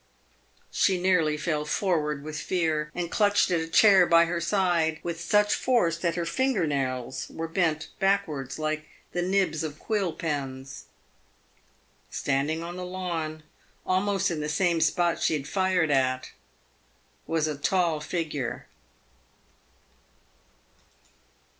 She nearly fell forward with fear, and clutched at a chair by her side with such force that her finger nails were bent backwards like the nibs of quill pens. Standing on the lawn, almost in the same spot she had fired at, was a tall figure.